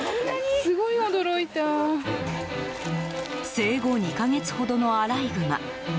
生後２か月ほどのアライグマ。